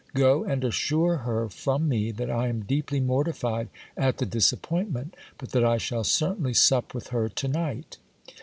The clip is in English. Go and assure her from me that I am deeply mortified at the dis appointment, but that I shall certainly sup with her to night.